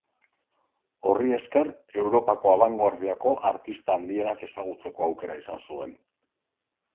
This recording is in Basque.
Horri esker Europako abangoardiako artista handienak ezagutzeko aukera izan zuen.